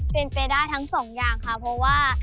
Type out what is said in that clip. เป็นไปได้ทั้งสองอย่างค่ะเพราะว่า